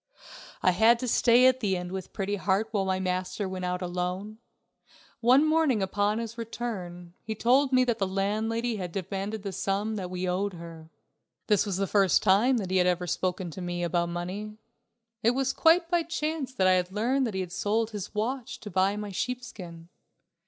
I had to stay at the inn with Pretty Heart while my master went out alone. One morning upon his return he told me that the landlady had demanded the sum that we owed her. This was the first time that he had ever spoken to me about money. It was quite by chance that I had learned that he had sold his watch to buy my sheepskin.